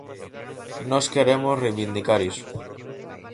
Nós queremos reivindicar iso.